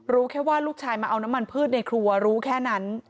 รู้แค่ว่าลูกชายมาเอาน้ำมันพืชในครัวรู้แค่นั้น